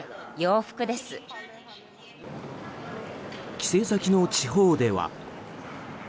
帰省先の地方では。